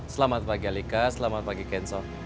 selamat pagi alika selamat pagi cancel